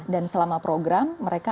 dan selama program mereka